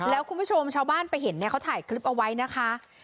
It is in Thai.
แล้วคุณผู้ชมชาวบ้านไปเห็นเนี่ยเขาถ่ายคลิปเอาไว้นะคะ